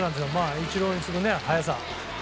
イチローに次ぐ早さ。